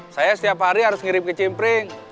saya setiap hari harus ngirim ke cimpring